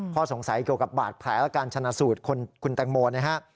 ข้อสงสัยเกี่ยวกับบาดแผลและการชนะสูตรคุณแตงโมนะฮะ